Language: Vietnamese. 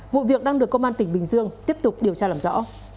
vụ việc đang được công an tỉnh bình dương tiếp tục điều tra làm rõ